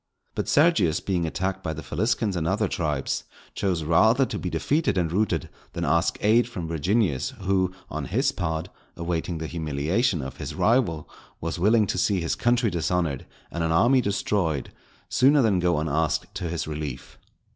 But Sergius being attacked by the Faliscans and other tribes, chose rather to be defeated and routed than ask aid from Virginius, who, on his part, awaiting the humiliation of his rival, was willing to see his country dishonoured and an army destroyed, sooner than go unasked to his relief.